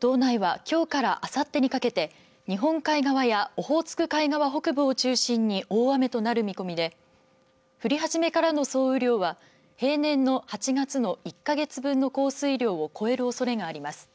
道内はきょうからあさってにかけて日本海側やオホーツク海側北部を中心に大雨となる見込みで降り始めからの総雨量は平年の８月の１か月分の降水量を超えるおそれがあります。